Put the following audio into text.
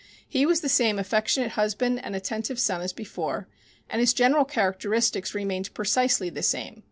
He was the same affectionate husband and attentive son as before, and his general characteristics remained precisely the same.